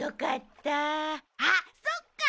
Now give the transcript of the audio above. あっそっか！